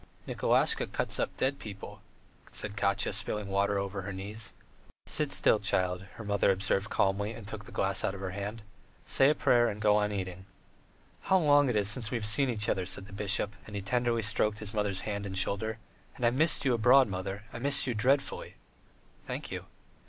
"Nikolasha cuts up dead people," said Katya, spilling water over her knees. "Sit still, child," her grandmother observed calmly, and took the glass out of her hand. "Say a prayer, and go on eating." "How long it is since we have seen each other!" said the bishop, and he tenderly stroked his mother's hand and shoulder; "and I missed you abroad, mother, I missed you dreadfully." "Thank you."